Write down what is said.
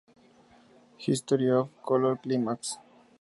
History of Color Climax.